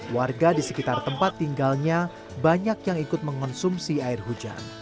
warga di sekitar tempat tinggalnya banyak yang ikut mengonsumsi air hujan